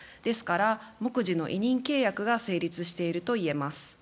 ですから黙示の委任契約が成立しているといえます。